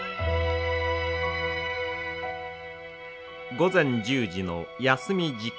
午前１０時の休み時間。